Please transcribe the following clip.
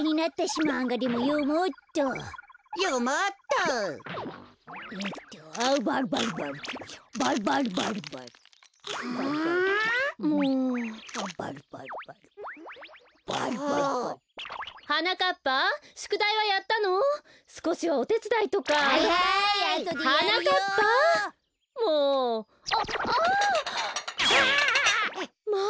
まあ。